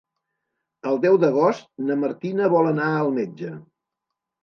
El deu d'agost na Martina vol anar al metge.